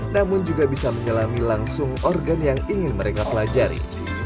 namun juga bisa menyelami langsung organ yang ingin mereka pelajari